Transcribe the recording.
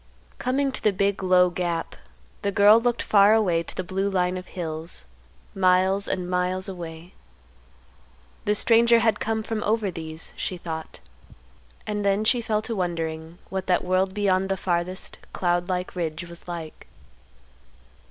Coming to the big, low gap, the girl looked far away to the blue line of hills, miles, and miles away. The stranger had come from over these, she thought; and then she fell to wondering what that world beyond the farthest cloud like ridge was like.